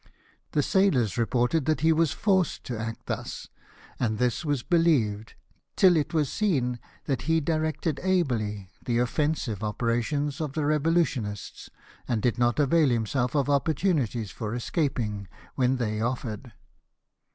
The sailors reported that he was forced to act thus, and this Avas believed, till it was seen that he directed ably the offensive operations of the revolutionists, and did not avail himself of opportunities for escaping Avhen they offered.